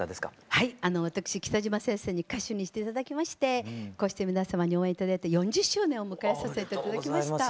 はいあの私北島先生に歌手にして頂きましてこうして皆様に応援頂いて４０周年を迎えさせて頂きました。